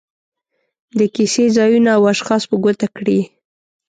د کیسې ځایونه او اشخاص په ګوته کړي.